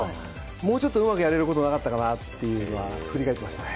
もうちょっとうまくやれることなかったかなというのを振り返ってましたね。